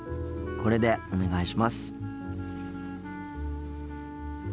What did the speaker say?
これでお願いします。